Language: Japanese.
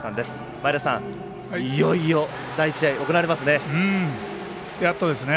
前田さん、いよいよ第１試合行われますね。